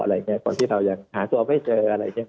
อะไรแบบนี้ก่อนที่เรายังหาตัวไม่เจออะไรแบบนี้